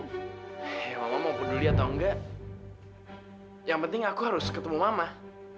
ya mama mau peduli atau nggak yang penting aku harus peduli sama kamu